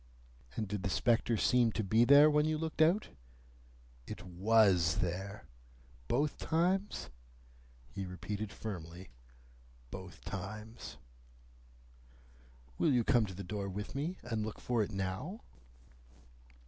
"And did the spectre seem to be there, when you looked out?" "It WAS there." "Both times?" He repeated firmly: "Both times." "Will you come to the door with me, and look for it now?"